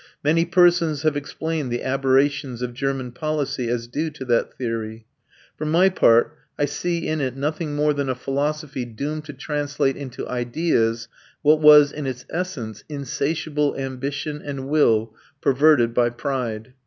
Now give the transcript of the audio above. Many persons have explained the aberrations of German policy as due to that theory. For my part, I see in it nothing more than a philosophy doomed to translate into ideas what was, in its essence, insatiable ambition and will perverted by pride.